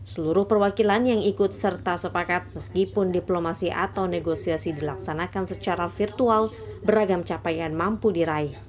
seluruh perwakilan yang ikut serta sepakat meskipun diplomasi atau negosiasi dilaksanakan secara virtual beragam capaian mampu diraih